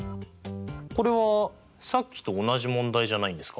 これはさっきと同じ問題じゃないんですか？